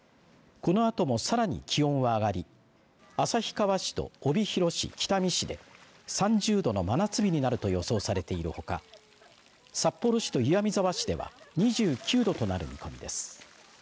このあとも、さらに気温は上がり旭川市と帯広市、北見市で３０度の真夏日になると予想されているほか札幌市と岩見沢市では２９度となる見込みです。